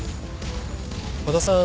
和田さん